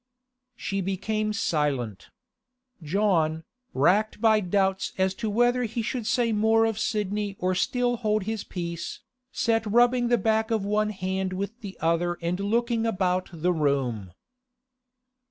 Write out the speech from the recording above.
She became silent. John, racked by doubts as to whether he should say more of Sidney or still hold his peace, sat rubbing the back of one hand with the other and looking about the room.